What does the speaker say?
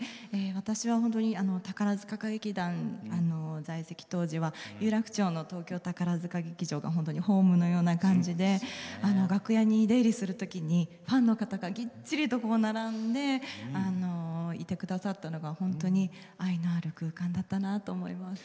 私は本当に宝塚歌劇団在籍当時は有楽町の東京宝塚劇場が本当にホームのような感じで楽屋に出入りするときにファンの方がぎっちりと並んでいてくださったのが本当に愛のある空間だったなと思います。